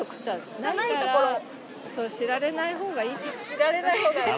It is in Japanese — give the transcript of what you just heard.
知られない方がいい？